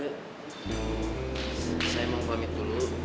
saya mau pamit dulu